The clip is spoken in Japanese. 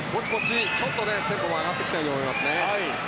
ちょっとテンポが上がってきたように思いますね。